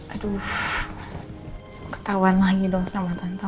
aduh ketahuan lagi dong sama tante